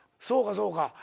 そうかそうか。